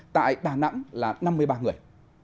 tại đà nẵng là năm mươi ba người